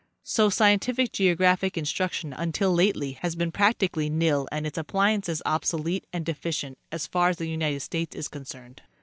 So scientific geographic in struction until lately has been practically nil and its appliances obsolete and deficient, as far as the United States is concerned.